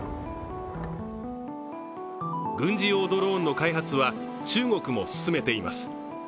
軍事用ドローンの開発は中国も進めています。